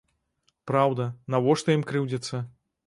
Праўда, навошта ім крыўдзіцца?